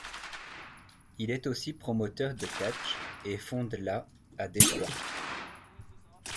Il est aussi promoteur de catch et fonde la à Détroit.